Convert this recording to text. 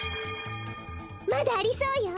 まだありそうよ。